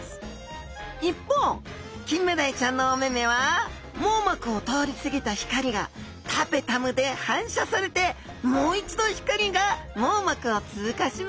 一方キンメダイちゃんのお目々は網膜を通り過ぎた光がタペタムで反射されてもう一度光が網膜を通過します。